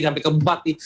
sampai ke bupati